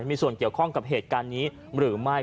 มีส่วนเกี่ยวข้องกับเหตุการณ์นี้หรือไม่